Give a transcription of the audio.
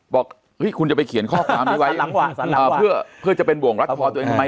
บอกคุณจะไปเขียนข้อความนี้ไว้เพื่อจะเป็นบ่วงรัดคอตัวเองทำไม